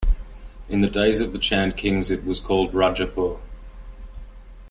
In the days of the Chand Kings it was called Rajapur.